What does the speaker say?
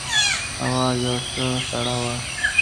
هوا یو څه سړه وه.